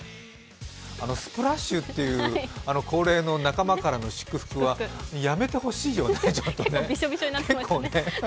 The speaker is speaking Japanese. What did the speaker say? スプラッシュっていう恒例の仲間からの祝福はやめてほしいよね、ちょっとね。